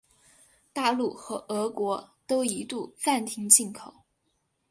大陆和俄国都一度暂停进口。